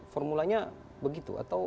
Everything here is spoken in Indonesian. formulanya begitu atau